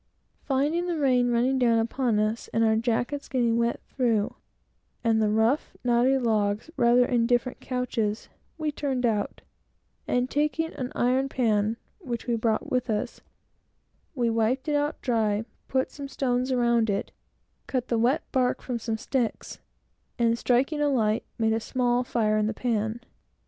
Finding the rain running down upon us, and our jackets getting wet through, and the rough, knotty logs, rather indifferent couches, we turned out; and taking an iron pan which we brought with us, we wiped it out dry, put some stones around it, cut the wet bark from some sticks, and striking a light, made a small fire in the pan.